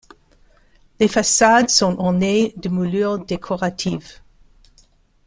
Les façades sont ornées de moulures décoratives.